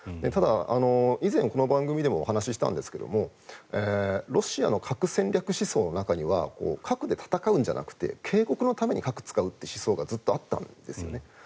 ただ、以前この番組でも話したんですがロシアの核戦略思想の中には核で戦うんじゃなくて警告のために核を使うという思想がずっとあったんです。